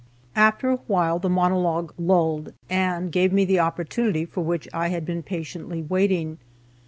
After a while the monologue lulled, and gave me the opportunity for which I had been patiently waiting.